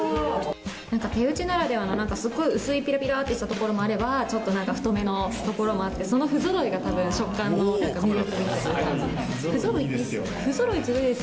手打ちならではのすっごい薄いピラピラーってしたところもあればちょっと太めのところもあってその不揃いが食感の魅力。